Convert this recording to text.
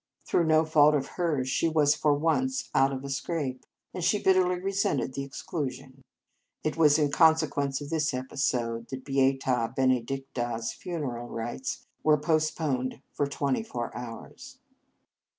Through no fault of hers, she was for once out of a scrape, and she bitterly resented the exclusion. It was in consequence of this episode that Beata Benedicta s fu neral rites were postponed for twenty four hours.